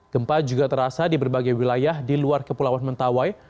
gempa juga terasa di berbagai wilayah di luar kepulauan mentawai